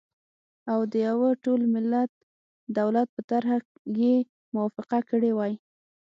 او د يوه ټول منلي دولت په طرحه یې موافقه کړې وای،